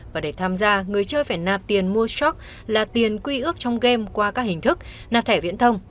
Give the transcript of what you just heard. và để tham gia người chơi phải nạp tiền mua shock là tiền quy ước trong game qua các hình thức nạp thẻ viễn thông